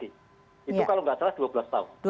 itu kalau nggak salah dua belas tahun